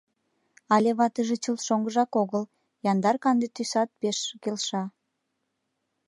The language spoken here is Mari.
Але ватыже чылт шоҥгыжак огыл, яндар канде тӱсат пеш келша.